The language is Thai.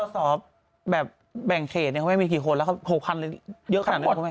สอบแบ่งเขตเขาไม่มีกี่คนแล้วเขา๖๐๐๐หรือเยอะขนาดนั้น